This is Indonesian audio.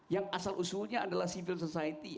yang asal usulnya adalah civil society